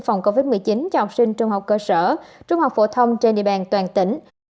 phòng covid một mươi chín cho học sinh trung học cơ sở trung học phổ thông trên địa bàn toàn tỉnh